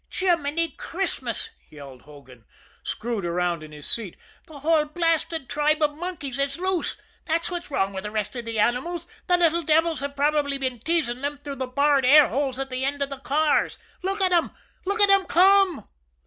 "Jiminy Christmas!" yelled Hogan, screwed around in his seat. "The whole blasted tribe of monkeys is loose! That's what's wrong with the rest of the animals the little devils have probably been teasing them through the barred air holes at the ends of the cars. Look at 'em! Look at 'em come!"